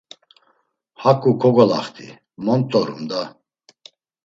Haǩu kogolaxt̆i, mont̆orum da!